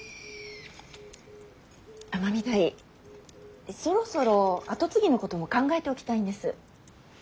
尼御台そろそろ跡継ぎのことも考えておきたいんです。